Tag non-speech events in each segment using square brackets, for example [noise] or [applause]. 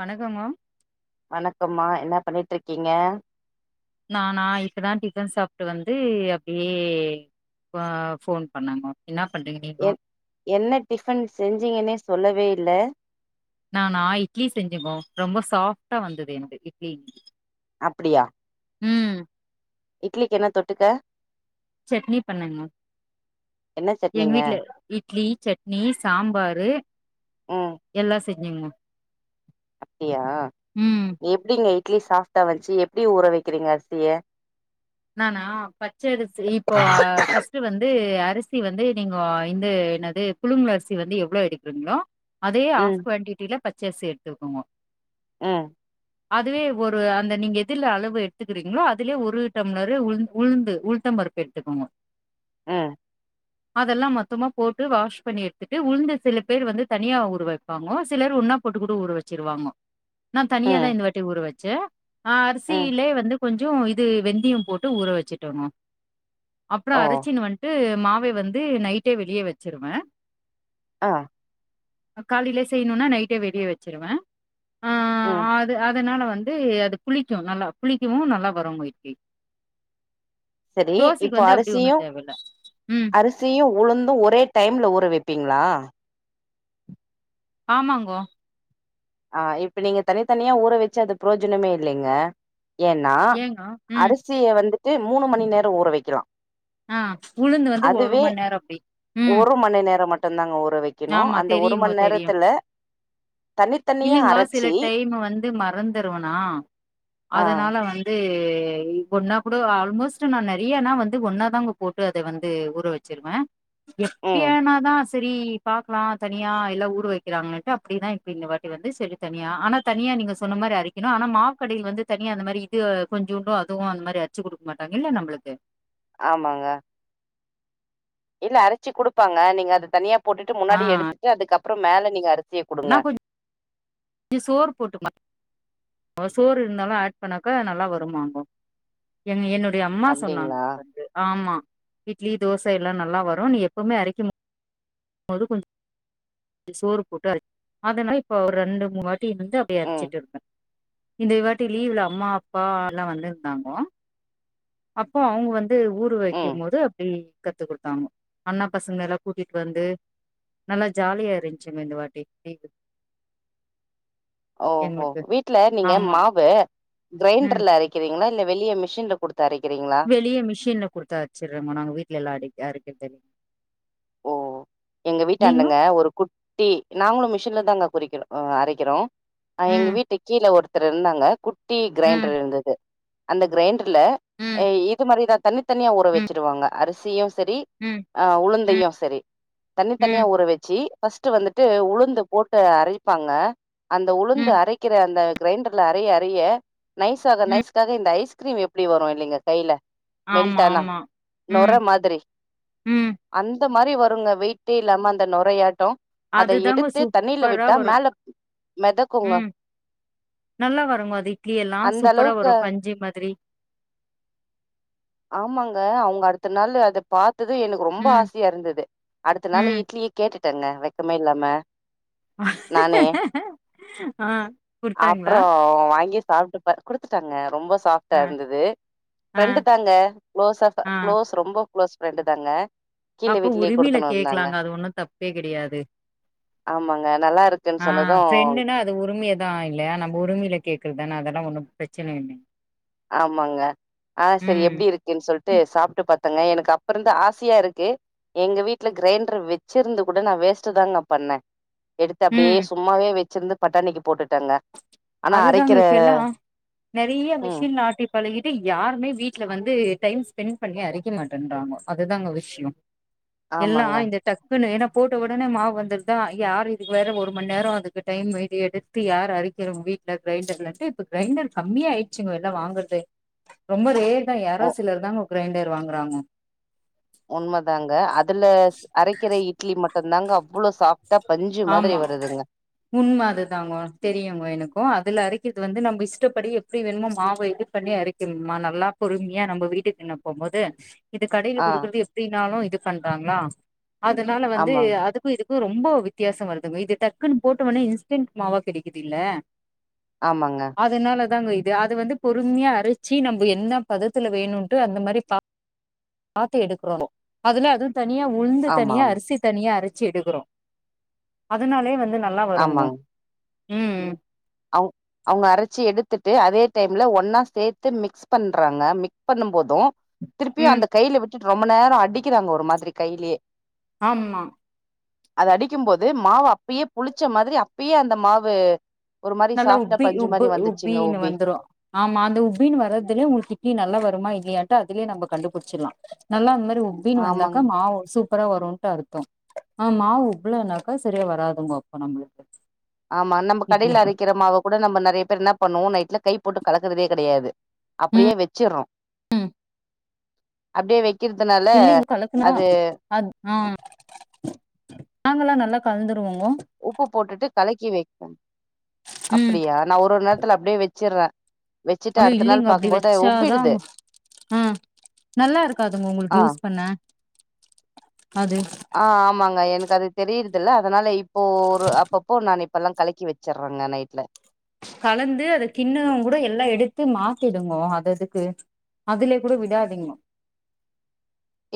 வணக்கம்மா வணக்கம்மா என்னா பண்ணிட்ருக்கீங்க நானா இப்பதா டிஃபன் சாப்ட்டு வந்து அப்டியே ஆ ஃபோன் பண்ணேங்க என் என்ன டிஃபன் செஞ்சீங்கன்னே சொல்லவே இல்ல நானா இட்லி செஞ்சங்கோ ரொம்ப சாஃப்ட்டா வந்தது எனக்கு இட்லி அப்டியா ம் இட்லிக்கு என்ன தொட்டுக்க சட்னி பண்ணுங்க என்ன எங்க சட்னிங்க வீட்ல இட்லி சட்னி சாம்பாரு ம் எல்லா ங்க அப்டியா எப்டிங்க இட்லி சாஃப்ட்டா வந்துச்சி எப்டி ஊற வக்கிறீங்க அரிசிய நானா பச்சரி இப்போ ஃபஸ்ட்டு வந்து அரிசி வந்து நீங்கோ இந்து என்னது புழுங்கல் அரிசி வந்து எவ்ளோ எடுக்குறீங்ளோ அதே ம் ஆஃப் குவாண்டிட்டில பச்சரிசி எடுத் இருக்குங்கோ ஆ அதுவே ஒரு அந்த நீங்க எதுல அளவு எடுத்துக்கிறீங்களோ அதுலயே ஒரு டம்ளரு உளுந் உளுந்து உளுந்தம் பருப்பு எடுத்துக்கோங்க ம் அதெல்லாம் மொத்தமா போட்டு வாஷ் பண்ணி எடுத்துட்டு உளுந்த சில பேர் வந்து தனியா ஊற வெப்பாங்கோ சிலர் ஒன்னா போட்டுக்கூட ஊற வச்சிருவாங்கோ நா தனியா தா ம் இந்த வாட்டி ஊற வச் ச்ச ஆ ம் அரிசிலே வந்து கொஞ்சோ இது வெந் தயம் போட்டு ஊற வச்சுட்டோங்கு அப்புற ஓ அரைச்சின்னு வன்ட்டு மாவை வந்து நைட்டே வெளியே வச்சிருவேன் ஆஹ் காலேயிலே செய்யணும்னா நைட்டே வெளியே வச்சிருவேன் ஆஹ் ம் அது அதனால வந் வந்து அது புளிக்கும் நல்லா புளிக்கவும் நல்லா வரும்ங் கீ சரி இப்போ அரிசியும் தேவல்ல ம் அரிசியும் உளுந்தும் ஒரே டைம்ல ஊற வைப்பீங்ளா ஆமாங்கோ ஆஹ் இப்ப நீங்க தனித்தனியா ஊற வச்சு அது புரோஜனமே இல்லைங்க ஏன்னா ஏங்கோ ம் அரிசிய வந்து டு மூணு மணி நேர ஊற வைக்கலாம் ஆஹ் உளுந்து வந்து ஒரு மண் நேரம் அப்டி உம் மட்டும் தாங்க ஊர் ஊற வைக்கணும் அந்த ஒரு மண் நேரத்தில தனி இல்லைங்கோ சில டைம் வந்து மறந்துருவனா ஆ அதனால வந்து து ஒன்னா கூட ஆல்மோஸ்ட்டு நா நெறையனா வந்து ஒன்னாதாங்கோ போட்டு அத வந்து ஊற வச்சிருவே ம் எப்பியனாதாஸ் செரி பாக்கலாம் தனியா எல்லாம் ஊற வைக்கிறாங்கட்டு அப்டிதா இப்ப இந்த வாட்டி வந்து சரி தனியா ஆனா தனியா நீங்க சொன்ன மாரி அரிக்கணும் ஆனா மாவுக்கடையில வந்து தனியா அந்த மாரி இது கொஞ்சோ உண்டும் அதுவும் அந்த மாரி அர்ச்சு கொடுக்க மாட்டாங்க இல்ல நம்மளுக்கு ஆமாங்க இல்ல அரைச்சி குடுப்பாங்க நீங்க அது தனியா போட்டுட்டு ஆ முன்னாடி எடுத்துட்டு அதுக்கப் அப்புறம் மேல நீங்க அர் சிய கொடுங்க நா கொஞ்சோ சோறு போட்டு சோறு இருந்தாலும் ஆட் பண்ணாக்க நல்லா வருமாமா என்னோ அம்மா சொன்னாங்க அப்டிங்களா இது வந்து ஆமா இட்லி தோச எல்லா நல்லா வரும் நீ எப்பவுமே அரைக்கி மு து கொஞ்சம் சோறு போட்டு அ அதனால இப்ப ரெண்டு மூ அப்ப வந்து அப்படியே ம் அரிச்சிட்டு இருந்தேன் இந்த இவாட்டிலலீ இ்ல அம்மா அப்பா எல்லாம் வந்துருந்தாங்கோ அப்போ அவங்க வந்து ஊரு ம் வைக்கும் போது அப்படி கத்து கொடுத்தாங்க அண்ணா பசங்க எல்லாம் கூட்டிட்டு வந்து நல்லா ஜாலியா இருந்துச்சுங்க இந்த வாட்டி நீ ஓஹோ வீட்ல நீங்க ஆமா மாவு ம் கிரைண்டர்ல அரைக்கிறிங்ளா இல்ல வெளிய மிஷின்ல குடுத் வெளிய மிஷின்ல குடுத்து அரைச்சிர்றமா நாங்க வீட்ல எல்லா அடை அரை க்றதில ஓ எங்க வீட்டாண்டங்க ஒரு குட்டி நாங்களு மி ஷின்லதாங்க குறிக்ற அரைக்கறோ அ எங்க ம் வீட்டுக் கீழ ஒரு த்தரு இருந்தாங்க குட் டி ம் கிரைண்டர் இருந்துது அந்த கிரைண்டர் ல ம் இது மாரிதா தனியா ஊற வெச்சிருவாங்க அரிசியு சரி ம், ஆ ம், உளுந்தையு சரி தனித்தனியா ம், ஊற வச்சி ஃபஸ்ட்டு வந்துட்டு உளுந்த போட்டு அரைப்பாங்க அந்த உளுந்து ம், அரைக்கிற அந்த கிரைண்டர்ல அரைய அரைய நைஸ் ஆக ம். நைஸ் ஆக இந்த ஐஸ் கிரீம் எப்படி வரு இல்லைங்க கையில ஆமா, மெல்ட்டானா ஆமா. நொர ம், மாதிரி ம். அந் அந்த மாரி வருங்க வெயிட்டே இல்லாம அந்த நொரையாட்டோ அதுதாங்க சூப்பரா வரும் மெதக்குங்க ம் நல்லா வருங்க அது இட்லி எல்லா அந்த சூப்பரா அளவுக்கு வரும் பஞ்சு மாதிரி ஆமாங்க அவங்க அடுத்த நாள் அத பா ட்டுதா எனக்கு ரொம்ப ம், ஆசையா இருந்தது அடுத்த நாள் ம். இட்லிய கேட்டு ட்டங்க வெக்கமே இல்லாம ஆ குடுத்தாங்களா? அப்றோ வாங்கி சாப்ட்டு பா குடுத்துட்டாங்க ரொம்ப ஆ, சாஃப்ட்டா இருந்துது ஆ, ஃப்ரெண்டு தாங்க க்ளோஸா ஃப க்ளோஸ் ரொம்ப க்ளோஸ் ஃப்ரெண்டு தாங்க கீழ அப்ப வீட்லயே உரிமையில குடுத்துனு வந்தாங்க. கேக்லாங்க அது ஒண்ணு தப்பே கெடயாது ஆமாங்க நல்லா இருக்குன்னு ஆ சொன்னது ஃப்ரெண்டுனா அது உரிமையாதா ஆயிடு இல்லயா நம்ப உரிமையில கேக்குறதுதான அதெல்லா ஒன்னு ப்ரச்சன இல்ல ஆமாங்க ஆ சரி எப்டி இருக்குனு சொல்ட்டு சாப்ட்டு பாத்தங்க எனக்கு அப் அப்ப இருந்து ஆசையா இருக்கு எங்க வீட்டுல கிரைண்டரு வச்சிருந்து கூட நா வேஸ்ட்டு தாங்க பண்ண எடுத்து அப்டியே ம். சும்மாவே வெச் ச்சுருந்து பட்டாணிக்கு போட்டுட்டங்க அதுதாங்க இப்ப எல்லா நெறைய ம் மிஷின்ல ஆட்டி பழகிட்டு யாருமே வீட்டுல வந்து டைம் ஸ்பென்ட் பண்ணி அரைக்க மாட்டன்றாங்கோ அதுதாங்க விஷியோ எல்லா ஆமாங்க இந்த டக்குனு ஏனாப் போட்ட ஒடனே மாவு வந்துருதா யாரு இதுக்கு வேற ஒரு மண் நேர அதுக்கு டைம் எதி எடுத்து யாரு அரி எரும் வீட்ல கிரைண்டர்ல இருந்து இப்ப கிரைண்டர் கம்மி ஆயிடுச்சுங்க எல்லா வாங்குறது ரொம்ப ரேர் இல்ல யாரோ உ சிலர்தாங்க கிரைண்டர் வாங்குறாங்க உண்மதாங்க அதுல அரைக்குர இட்லி மட் தந்தாங்க அவ்ளோ சாப் ஆமா உண்ம அதுதாங்கொ தெரியுங்கொ எனக்கு அதுல அரைக்கிறது வந்து நம்ம இஷ்டப்படி எப்டி வேணுமோ மாவ இது பண்ணி அரைக்கணுமா நல்லா பொறுமையா நம்ம வீட்டுக்குனு போகும்போது இது கடைல ஆ குடுக்குறது எப்டினாலு இது பண்றாங்களா அதனால வந்து ஆமாங் அதுக்கு இதுக் கு ரொம்போ வித் வித்தியாசொ வருதுங்க இது டக்குன்னு போட்டோனே இன்ஸ்டன்ட் மாவா கெடைக்குதுல்ல ஆமாங்க அதாங்கோ இது அது வந்து பொறுமையா அரைச்சு நம்ப என்ன பதத்துல வேணுன்டு அந்த மாரி பாத்து எடுக்கோனு அதுல அது தனியா உளுந்து ஆமா தனியா ஆமா அரிசி தனியா அர சி எடுக்குறோ அதனாலேயே வந்து நல்லா வருங்கோ ம் அவு அவுங்க அரைச்சு எடுத்துட்டு அதே டைம்ல ஒன்னா சேத்து மிக்ஸ் பண்றாங்க மிக்ஸ் பண்ணும் போதும் திருப்பியு ம் அந்த கைய்ல விட் ரொம்ப நேர அடிக்கிறாங்க ஒரு மாதிரி கைலியே ஆம்மா அது அடிக்கும்போது மாவு அப்பயே புளிச்ச மாதிரி அப்பயே அந்த மாவு ஒரு மாரி நல்லா சாஃப்டா உப்பி பஞ்சு உப்பு மாரி வந்துச்சுங்க உப்பின்னு உபி வந்துரு ஆமா அந்த உப்பின்னு வரதுலே உங்களுக்கு இட்லி நல்லா வருமா இல்லையா ட்டா அதிலே நம்ம கண்டுபிடிச்சிடலா நல்லா அந்த மாரி உபின் ஆமாங் வந்தாக்க மா ஒ சூப் அப்புர வரும்னுட்டு அர்த்தம் ஆஹ் மாவு உப்பளனாக்கா சரியா வராதுங்க அப்போ நம்மளுக்கு ஆமா நம்ம இட்லி கடேல அரைக்கிற மாவு கூட நம்ம நெறைய பேர் என்ன பண்ணுவோ நைட்ல கை போட்டு கலக்கறதே கெடையாது அப்டியே ம் வச்சற்றோம் அப்டியே வைக் இல்லைங்க கலக்குனா அ ஆஹ் நாங்கல்லா நல்லா கலந்துருவோங்கோ உப்பு போட்டுட்டு கலக்கி வைப்போ அப்படியா நான் ஒரு ஒரு நேரத்துல அப்டியே வச் ச்சிற்றே அம் இல்லிங்கோ அப்டி வச்சாதான் உப்பிடுது ஆஹ் நல்லா இருக்காதுங்கோ ஆ உங்களுக்கு யூஸ் பண்ண அது ஆஹ் ஆமாங்க எனக்கு அது தெரியுறதில்ல அதுனால இப்போ ஒரு அப்பப்போ நான் இப்ப எல்லாம் கலக்கி வச்சர்றேங்க நைட்ல கலந்து அத கின்னோ கூட எல்லாம் எடுத்து மாத்திடுங்கோ அததுக்கு அதுலயே கூட விடாதிங்கோ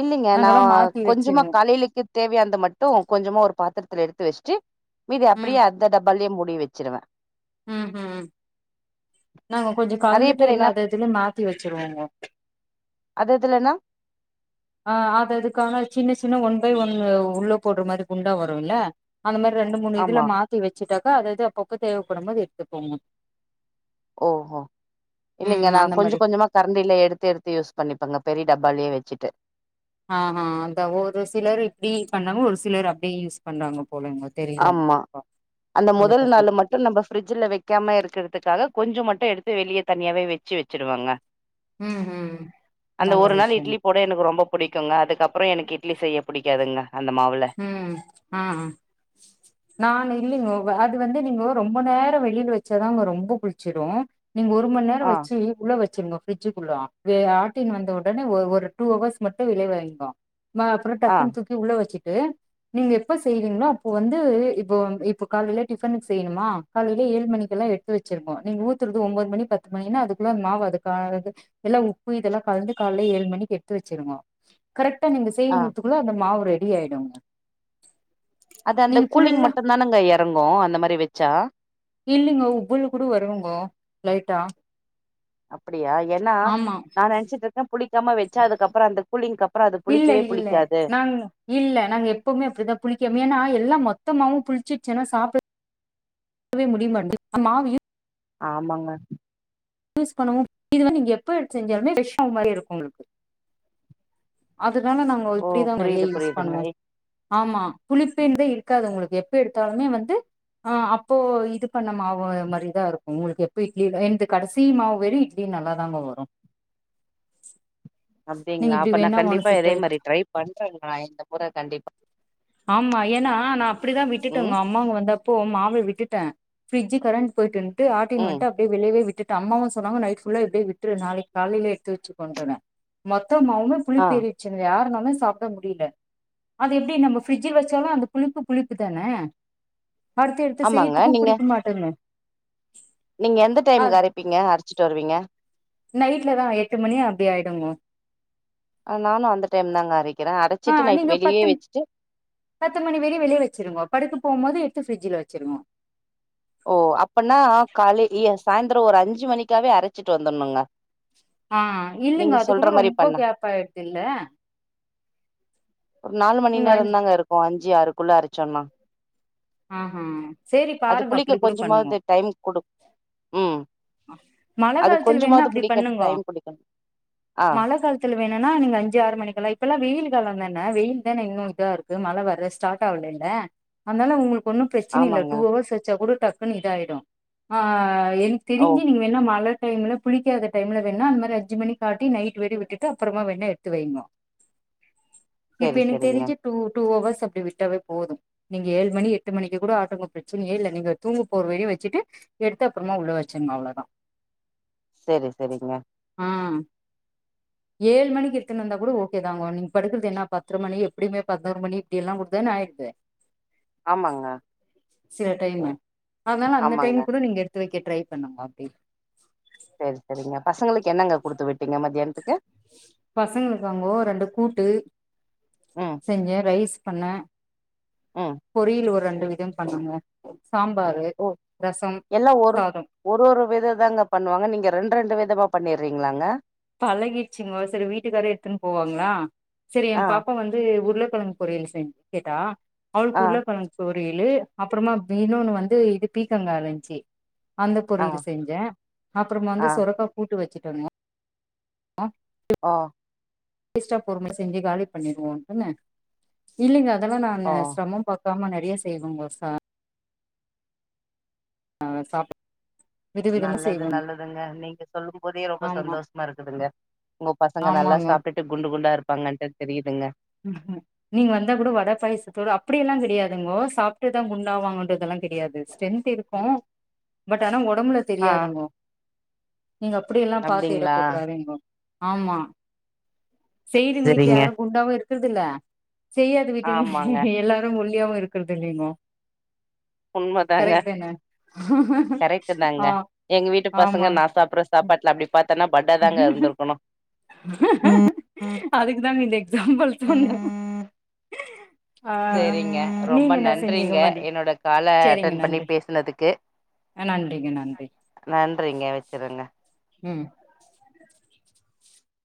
இல்லைங்க நான் கொஞ்சமா காலேலிக்கு தேவையானத மட்டும் கொஞ்சமா ஒரு பாத்திரத்துல எடுத்து வச்சிட்டு மீதி அப்டியே அந்த டப் பாலயே முடி வச்சிருவேன் உம் ஹும் நாங்க கொஞ்சோ நெறைய கலந்துட்டு பேர் எல்லா என்ன அததுலயும் மாத்தி வச்சுருவோங்கோ அது இதுலன்னா ஆஹ் அது அதுக்கான சின்ன சின்ன ஒன் பை ஒன் உள்ள போடுற மாரி குண்டா வருல்ல அந்த மாரி ரெண்டு மூனு இதுல ஆமா மாத்தி வச்சுட்டா ப அதது அப்பப்ப தேவப்படும்போது எடுத்துகோங்க ஓஹோ இல்லங்க ம் நான் அந்த கொஞ்ச மாரி கொஞ்சமா கரண்டில எடுத்து எடுத்து யூஸ் பண்ணிப்பங்க பெரிய டப்பாலயே வச்சிட்டு ஆஹ்ஹ அந்த ஒரு சிலரு இப்டி பண்ணவு ஒரு சிலர் அப்டியே யூஸ் பண்றாங்கோ ஆமா அந்த அத முதல் பத்தி நாள் மட்டும் நம்ம ஃபிரிட்ஜுல வைக்காம இருக்கிறதுக்காக கொஞ்சோ மட்டும் எடுத்து வெளிய தனியாவே வச்சு வச்சுடுவங்க ம் ம் அந்த நல்ல ஒரு நாள் விஷயங்க இட்லி போட எனக்கு ரொம்ப புடிக் குங்க அதுக்கப்புறம் எனக்கு இட்லி செய்ய புடிக்காதுங்க அந்த மாவுல உம் ஆஹ்ஹ நானு இல்லங்கோ வ அது வந்து நீங்கோ ரொம்ப நேரோ வெளில வச்சாதான்ங்கோ ரொம்ப புளிச்சிடும் நீங்கோ ஒரு மண் நேரோ ஆ வச்சு உள்ள வச் சிருங்கோ பிரிஜுகுள்ளோ இது ஆட்டின் வந்த உடனே ஒ ஒரு டூ ஹவர்ஸ் மட்டும் வெளிய வைங்கோ மா அப்பறோ ஆ டக்குனு தூக்கி உள்ள வச்சு டு நீங்க எப்ப செய்வீங்களோ அப்போ வந்து இப்போ இப்போ காலையில டிஃபன் செய்யணுமா காலையில ஏழு மணிக்கு எல்லாம் எடுத்து வெச்சுருங்கோ நீங்க ஊத்றது ஒம்போது மணி பத்து மணினா அதுக்குள்ள அந் மாவு அதுக்காக எல்லா உப்பு இதெல்லாம் கலந்து கால்ல ஏழு மணிக்கு எடுத்து வச்சிருங்கோ கரெட் டா நீங்க செய் ஆ முத்துக்குள்ள அந்த மாவு ரெ டி ஆயிடுங்க அது அந்த நீங்க ஃபுல்லா கூலிங் மட்டும் தானங்க எறங்கும் அந்த மாரி வெச்சா இல்லைங்கோ உப்பிள் கூட வருங்கோ லைட்டா அப்ப டியா ஏன்னா ஆமா நா நென்ச்சிட்டு இருக்க புளிக்காம வெச்சா அதுக்கப்புறோ அந்த கூலிங்கப்புறோ அது இல்ல புளிக்கவே இல்ல புளிக்காது நாங் இல்ல நாங்க த்த மாவும் புளிச்சிட்ச் சென்னா சாப்டவே முடிய மாட்து மாவு ஆமாங்க யூஸ் பண்ணவும் இது வந்து நீங்க எப்ப எடுத் செஞ்சாலுமே ஃப்ரஷ் மாவு மாரி இருக்கும் ஒங்களுக்கு அப் அதனால நாங்கோ ஓ இப்டி தா நெறைய புரியுது யூஸ் புரியுதுங்க பண்ணுவோ ஆமா புளிப் பேந்தே இருக்காது உங்களுக்கு எப்போ எடுத்தாலுமே வந்து ஆ அப்போ இது பண்ண மாவு மாரி தா இருக்கும் ஒங்களுக்கு எப்போ இட்லி எந்து கடைசி மாவு வெரியு இட்லி நல்லா தாங்க வரும் அப்டிங்களா அப்ப நா கண்டிப்பா இதே மாரி ட்ரை பண்றேன்ங்க நா இந்த மொற கண்டிப் ஆமா ஏன்னா நா அப்டிதா ம் விட்டுட்டேங்க அம்மாங்க வந்தப்போ மாவ விட்டுட்டே ஃப்ரிட்ஜ் கரண்ட் போயிட்டுன் டு ஆட்டின் ம் வன்ட்டு அப்டியே வெளியவே விட்டுட் டு அம்மாவு சொன்னாங்க நைட் ஃபுல்லா இப்டியே விட்ரு நாளைக்கி காலேல எடுத்து வச்சிக்கோண்டுன்னு மொத் த மாவுமே ஆ புளிப்பு ஏறிச்சிங்கயா மொதல் நாளே சாப்ட முடியல அத எப்டி நமக்கு ஃப்ரிட்ஜில் வெச்சாலு அந்த புளிப்பு புளிப்புதான அடுத்து எடுத்து ஆமாங்க செய்றதுக்கு நீங்க புடிக்க மாட்டேங்க நீங்க எந்த டைமுக்கு அரைப்பீங்க அரைச்சிட்டு வருவீங்க நைட்லதா எட்டு மணி அப்டி ஆயிடுங்க ஆ நானு அந்த டைம் தாங்க அரைக் ஆ நீங்க பத்தும் பத்து மணி வரைய வெளிய வச்சிருங்கோ படுக்கப்போம் போது எடுத் து ஃப்ரிட்ஜ்ல வச்சிருங்கோ ஓ அப்பன்னா காலே எஸ் சாயந்தரோ ஒரு அஞ்சி மணிக்காவே அரைச்சிட்டு வந்துர்ணுங்க ஆ இல்லைங்க அது கூட ரொம்ப பண்ணா கேப் ஆய்டுதுல்ல ஒரு நாலு மணி நேரம் தாங்க இருக்கும் அஞ் ஜியாருக்குள்ள அரச்சோன்னா ஆஹா சேரி அது பாருங்க புளிக்க அப்டி கூட பண்ணுங்கோ கொஞ்சமாது டைம் கொடுக் உம் மழ காலத்துல வேணா அப்டி பண்ணுங்கோ டைம் குடிக்கணு ஆ மழ காலத்துல வேணும்னா நீங்க அஞ்சு ஆறு மணிக்கெலா இப்பெல்லா வெயிலு காலதானே வெயில் தானே இன்னூ இதா இருக்கு மழ வர ஸ்டார்ட் ஆவலல்ல அதனால உங்களுக் ஒன்றும் பிரச்சனை இல்ல ஆமாங்க டூ அவர்ஸ் வச்சா கூடப் டக்குன்னு இதாயிடு ஆ ஏ ஓ தெரிஞ்சி நீங்க வேன மழக் டைம்ல புளிக்காத டைம்ல வேணா அந்த மாதிரி அஞ்சு மணி காட்டி நைட் வெடி விட்டுட்டு அப்றமா வேணா எடுத்து வைங்கோ இப்ப செரி எனக்கு செரிங்க தெரிஞ்சு டூ டூ அவர்ஸ் அப்டி விட்டே போதும் நீங்க ஏழு மணி எட்டு மணிக்கு கூட ஆட்டங்கங்கோங் பிரச்சனையே இல்ல நீங்க தூங்க போறவரை வச்சுட்டு எடுத்து அப்றமா உள்ள வச்சிருக்க அவ்ளதா செரி செரிங்க ஏழு மணிக்கு எத்துட்டு வந்தா கூடி ஓகே தாங்கோ நீங்க படுக்கறது என்னா பத்தர மணி எப்டியுமே பதினொரு மணி இப்டிய எல்லாம் கொடுத்தாலுங்கூடி ஆயிடுது ஆமாங்க சில டைம்மு அதனால அந்த டைம் ஆமாங்க கூட நீங்க எடுத்து வைக்க ட்ரை பண்ணுங்க அப்டி செரி செரிங்க பசங்களுக் என்னங்க குடுத்து விட்டீங்க மத்தியானத்துக்கு பசங்களுக்காங்கோ ரெண்டு கூட்டு ம் செஞ்ச ரைஸ் பண்ண ம் பொரியல் ஒரு ரண் ஒரு விதம் பண்ணுங்க ஓ எல்லா ஒரு சாதம் ஒரு ஒரு வித தாங்க பண்ணுவாங்க நீங்க ரெண்டு ரெண்டு விதமாப் பண்ணிறீங்களாங்க பழகிடுச்சிங்கோ செரி வீட்டுக்காரு எடுத்துன்னு போவாங்களா செரி ஆ என் பாப்பா வந்து உருல கிழங்கு பொரியல் செ கேட்டா அவளுக் ஆ உருளக்கிழங் சோர் குரியலு அப்றமா மீனுன்னு வந்து இது பீக்கங்காந்துச்சு அந்த ஆ பொரியல் செஞ்சே அப்றம் ஆ வந்து சொரக்கா கூட்டு வச்சுட்டு [unintelligible] ஹம் ஆஹ் [unintelligible] பொறுமை செஞ்சு காலி பண்ணிருவோம் அப்படிதான இல்லலைங்க அதெல்லாம் நான் ஓ சிரமம் பாக் க்காம நிறைய செய்வோங்க சார் ஆஹ் சாப்ப நல்லது நல்லதுங்க நீங்க சொல்லும் போதே ரொம்ப ஆமா சந்தோஷமா இருக்குதுங்க உங்க பசங்க நல்லா ஆமாங்க சாப்பிட்டுட்டு குண்டு குண்டா இருப்பாங்கன்ட்டு தெரியுதுங்க நீங்க வந்தா கூட வட பாயசத்தோட அப்படியெல்லாங் கிடியாதுங்கோ சாப்ட்டுதா குண்டாவாங்கன்றதெல்லாம் கெடியாது ஸ்ரென்த் இருக்கும் பட் ஆனா உ டம்பல ஆ தெரியாதுங்கோ நீங்க அப்டியெல்லா பாத்து எட அப்டிங்களா போட்றாதிங்கோ ஆமா செய்திங் வீடல செரிங்க யாரு குண்டாவுருக் குற்துல்ல செய்யாது வீட்டிங் ஆமாங்க எல்லாரு ஒல் தியாவு இருக்குற்துல்லீங்கோ உண்மதாங்க கரெட்டு தாங்க ஆ எங்க வீட்டு பசங்க ஆமா நா சாப்புற சாப்பாட்ல அப்டி பாத் இருந்திருக்கணு அதுக்குதாங்க இந்த எக்ஸாம்பள் சொன்ன சேரிங்க ரொம்ப நன்றிங்க மதி என்னோட கால செரிங்க அட்டன் பண்ணி நன்றி பேசுனதுக்கு ஆ, நன்றிங்க நன்றி நன்றிங்க வெச்சிரங்க ம்